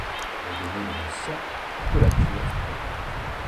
J'aurais donné de mon sang pour que la cure fût complète.